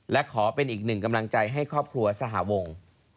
และขอเป็นอีกหนึ่งกำลังใจให้ครอบครัวสหวง